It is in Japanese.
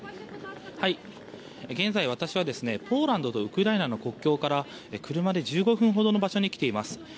現在、私はポーランドとウクライナの国境から車で１５分ほどの場所に来ています。